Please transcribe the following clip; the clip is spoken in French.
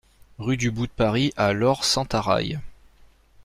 Rue du Bout de Paris à Lorp-Sentaraille